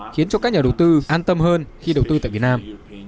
khiến cho các nhà đầu tư an tâm hơn khi đầu tư tại việt nam